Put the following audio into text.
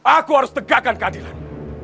aku harus tegakkan kandilan